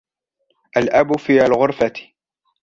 الأب في الغرفة.